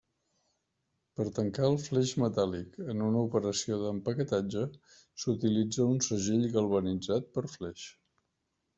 Per tancar el fleix metàl·lic en una operació d'empaquetatge s'utilitza un segell galvanitzat per fleix.